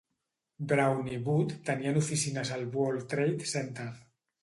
Brown i Wood tenien oficines al World Trade Center.